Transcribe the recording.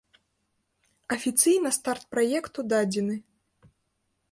Афіцыйна старт праекту дадзены.